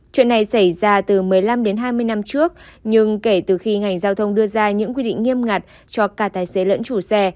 chuyện này xảy ra từ một mươi năm đến hai mươi năm trước nhưng kể từ khi ngành giao thông đưa ra những quy định nghiêm ngặt cho cả tài xế lẫn chủ xe